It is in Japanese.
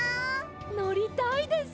のりたいです！